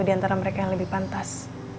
di antara mereka yang lebih pantas